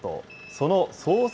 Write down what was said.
その操作